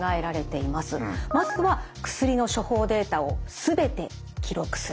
まずは薬の処方データをすべて記録する。